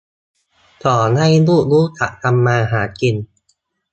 สอนให้ลูกรู้จักทำมาหากิน